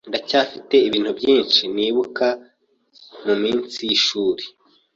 Ndacyafite ibintu byinshi nibuka muminsi yishuri.